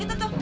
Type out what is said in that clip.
eh itu tuh